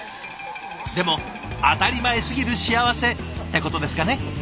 でも当たり前すぎる幸せってことですかね。